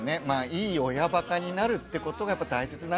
いい親バカになるってことが大切なんだってことですね。